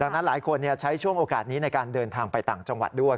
ดังนั้นหลายคนใช้ช่วงโอกาสนี้ในการเดินทางไปต่างจังหวัดด้วย